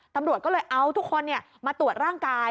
ตำรวจก็เลยเอาทุกคนมาตรวจร่างกาย